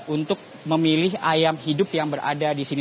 untuk memilih ayam hidup yang berada di sini